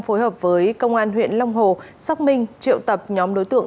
phối hợp với công an huyện long hồ xác minh triệu tập nhóm đối tượng